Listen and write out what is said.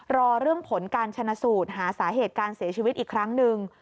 รอเรื่องผลการชนะสูตรหาสาเหตุการเสียชีวิตอีกครั้งหนึ่ง